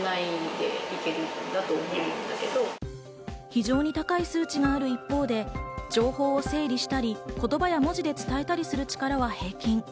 非常に高い数値がある一方で、情報を整理したり、言葉や文字で伝えたりする力は平均。